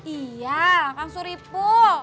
iya kakak suripul